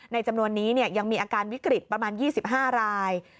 จำนวนนี้ยังมีอาการวิกฤตประมาณ๒๕ราย